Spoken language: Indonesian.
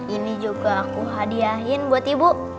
ini juga aku hadiahin buat ibu